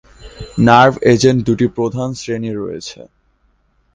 Nerve agent দুটি প্রধান শ্রেণী রয়েছে।